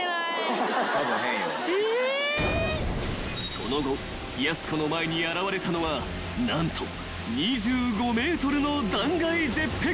［その後やす子の前に現れたのは何と２５ｍの断崖絶壁］